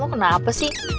tak lo kenapa sih